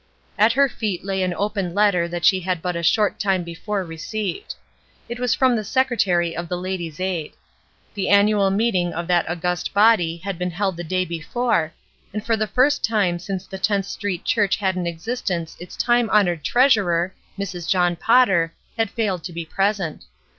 At her feet lay an open letter that she had but a short time before received. It was from the secretary of the Ladies' Aid. The annual meeting of that august body had been held the day before, and for the first time since the 10th Street Church had an existence its time honored treasurer, Mrs. John Potter, had failed to be present.